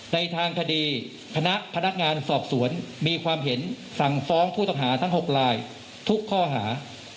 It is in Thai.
ในทางคดีพนักงานสอบสวนมีความเห็นสั่งฟ้องผู้ต้องหาทั้ง๖ลายทุกข้อหา